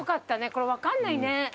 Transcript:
これ分かんないね。